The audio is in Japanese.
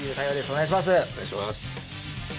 お願いします